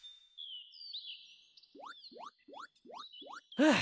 はあ。